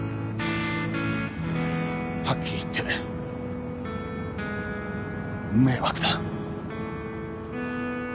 はっきり言って迷惑だ。